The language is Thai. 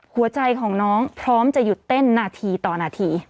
หัวใจของน้องพร้อมจะหยุดเต้นนาทีต่อนาที